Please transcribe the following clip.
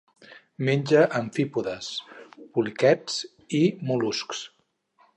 Menja amfípodes, poliquets i mol·luscs.